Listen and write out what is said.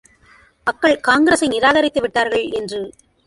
மக்கள் காங்கிரஸை நிராகரித்து விட்டார்கள் என்று!